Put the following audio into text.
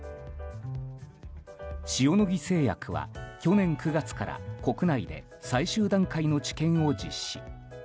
塩野義製薬は去年９月から国内で最終段階の治験を実施。